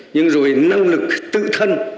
nhưng rồi năng lực tự thân